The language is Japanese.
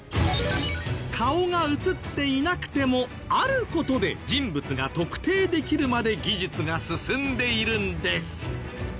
顔が映っていなくてもある事で人物が特定できるまで技術が進んでいるんです。